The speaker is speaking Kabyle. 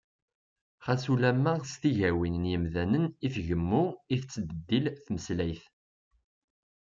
Xas ulamma s tigawin n yimdanen i tgemmu, i tettbeddil tmeslayt.